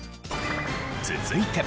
続いて。